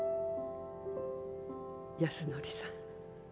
安典さん